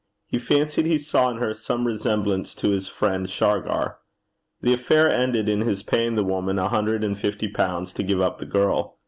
He fancied he saw in her some resemblance to his friend Shargar. The affair ended in his paying the woman a hundred and fifty pounds to give up the girl.